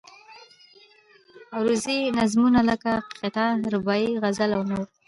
عروضي نظمونه لکه قطعه، رباعي، غزل او نور.